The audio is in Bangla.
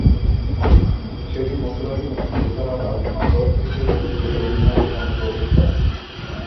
সেদিন মধ্যরাতে মুক্তিযোদ্ধারা রাজনগর থেকে বিলোনিয়ায় অনুপ্রবেশ করেন।